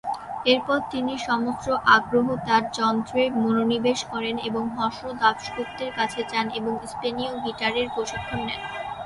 এরপরে, তিনি সমস্ত আগ্রহ তার-যন্ত্রে মনোনিবেশ করেন এবং হর্ষ দাশগুপ্তের কাছে যান এবং স্পেনীয় গিটারের প্রশিক্ষণ নেন।